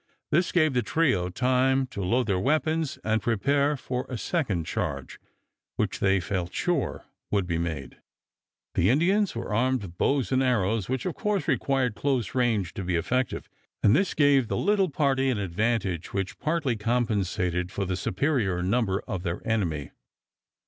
This gave the trio time to load their weapons and prepare for a second charge, which they felt sure would be made. The Indians were armed with bows and arrows, which of course required close range to be effective, and this gave the little party an advantage which partly compensated for the superior number of their enemy.